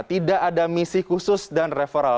tidak ada misi khusus dan referral